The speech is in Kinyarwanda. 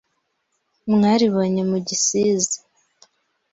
Mwaribonye mu Gisizi